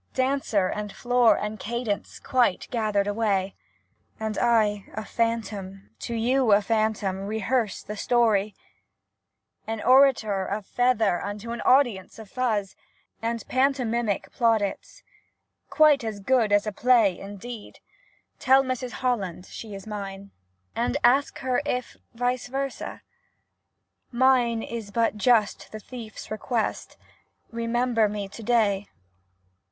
Dancer, and floor, and cadence quite gathered away, and I, a phantom, to you a phantom, rehearse the story ! An orator of feather unto an audience of fuzz, — and pantomimic plaudits. *■ Quite as good as a play,' indeed ! Tell Mrs Holland she is mine. Ask her if vice versa ? Mine is but just the thiefs request —* Remember me to day.'